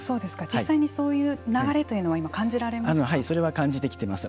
実際にそういう流れというのはそれは感じてきています。